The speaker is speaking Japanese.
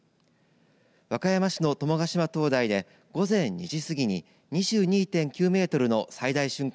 和歌山市の友ヶ島灯台で午前２時すぎに２２．９メートルの最大瞬間